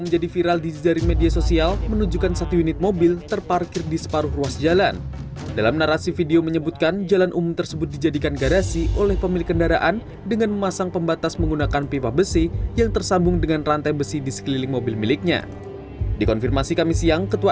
jalanan umum dibuat garasi